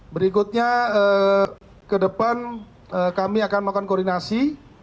berikutnya ke depan kami akan melakukan koordinasi